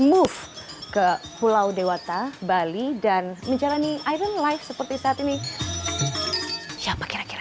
move ke pulau dewata bali dan menjalani island life seperti saat ini siapa kira kira